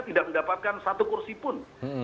tidak mendapatkan satu kursi pun